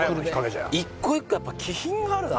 一個一個やっぱ気品があるな。